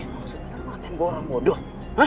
maksudnya apa antar gue orang bodoh